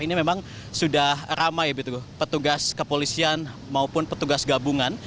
ini memang sudah ramai petugas kepolisian maupun petugas gabungan